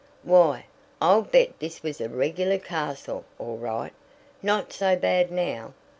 Why, I'll bet this was a regular castle, all right. Not so bad now."